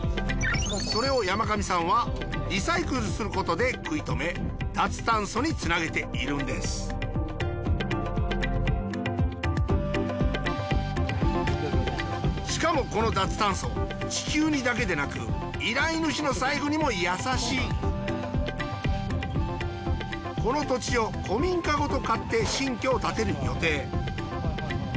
それを山上さんはリサイクルすることで食い止め脱炭素につなげているんですしかもこの脱炭素地球にだけでなく依頼主の財布にも優しいこの土地を古民家ごと買って新居を建てる予定。